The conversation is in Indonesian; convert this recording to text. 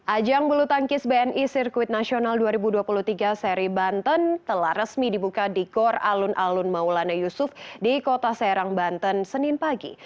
ajang bulu tangkis bni sirkuit nasional dua ribu dua puluh tiga seri banten telah resmi dibuka di gor alun alun maulana yusuf di kota serang banten senin pagi